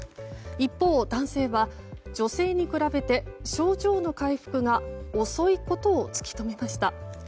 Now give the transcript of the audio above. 一方、男性は女性に比べて症状の回復が遅いことを突き止めました。